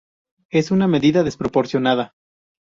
Es una medida desproporcionada.